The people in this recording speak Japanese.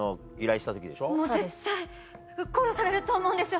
もう絶対殺されると思うんですよ